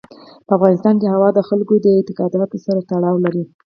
په افغانستان کې هوا د خلکو د اعتقاداتو سره تړاو لري.